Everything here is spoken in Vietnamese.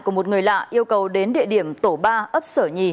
của một người lạ yêu cầu đến địa điểm tổ ba ấp sở nhì